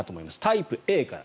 タイプＡから。